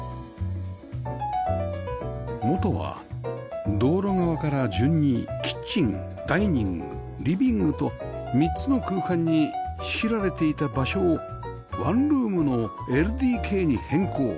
元は道路側から順にキッチンダイニングリビングと３つの空間に仕切られていた場所をワンルームの ＬＤＫ に変更